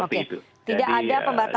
tidak ada pembatasan